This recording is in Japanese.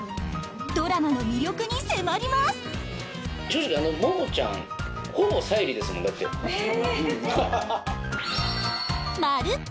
ドラマの魅力に迫りますへぇ！